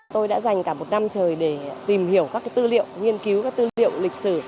tôi đã dành cả một năm trời để tìm hiểu các tư liệu nghiên cứu các tư liệu lịch sử